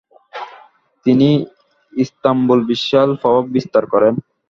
তিনি ইস্তাম্বুল বিশাল প্রভাব বিস্তার করেন।